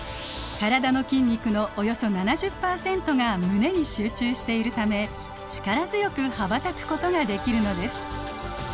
体の筋肉のおよそ７０％が胸に集中しているため力強く羽ばたくことができるのです。